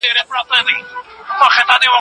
زه اوس ځوان يمه لوى سوى